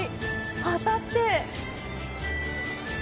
果たして。